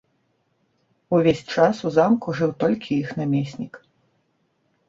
Увесь час у замку жыў толькі іх намеснік.